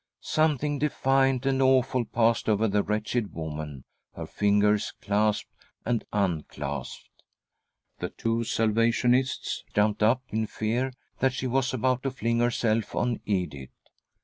Something defiant and awful passed over the wretched woman ; her fingers clasped and unclasped. The two Salvationists jumped up, in fear that she was about to fling herself on Edith.